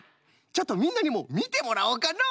ちょっとみんなにもみてもらおうかの！